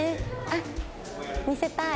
あっ見せたい！